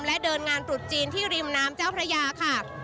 และเดินงานตรุษจีนที่ริมน้ำเจ้าพระยาค่ะ